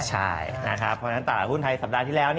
เพราะฉะนั้นตลาดหุ้นไทยสัปดาห์ที่แล้ว